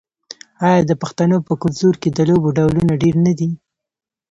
آیا د پښتنو په کلتور کې د لوبو ډولونه ډیر نه دي؟